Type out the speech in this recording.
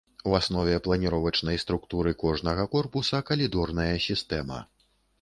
У аснове планіровачнай структуры кожнага корпуса калідорная сістэма.